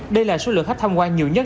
đây là số lượng khách tham quan nhiều nhất